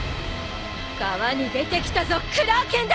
川に出てきたぞクラーケンだ！